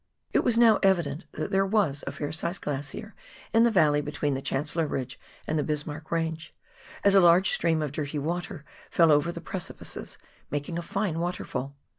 It was now evident that there was a fair sized glacier in the valley between the Chancellor Ridge and the Bismarck Range, as a large stream of dirty water fell over the precipices, making a fine waterfall.